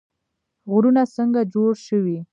غرونه څنګه جوړ شوي؟